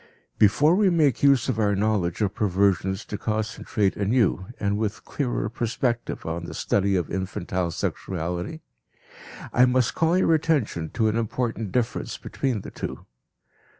Before we make use of our knowledge of perversions to concentrate anew and with clearer perspective on the study of infantile sexuality, I must call your attention to an important difference between the two.